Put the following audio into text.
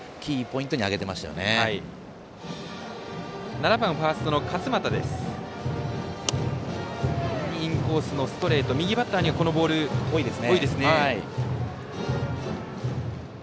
インコースのストレート右バッターにはこのボール多いです。